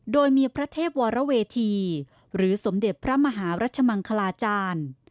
โดยมีพระเทพวรเวทีหรือสมเด็จพระมหารัชมังคลาจารย์